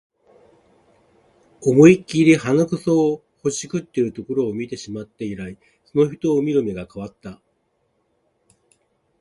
思いっきり鼻くそほじってるところ見てしまって以来、その人を見る目が変わった